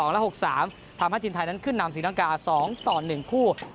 และ๖๓ทำให้ทีมไทยนั้นขึ้นนำศรีลังกา๒ต่อ๑คู่